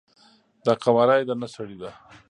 دا قواره یی د نه سړی ده،